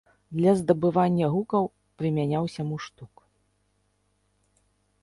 Для здабывання гукаў прымяняўся муштук.